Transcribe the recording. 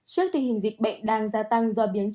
trước thì hình dịch bệnh đang gia tăng do biến trục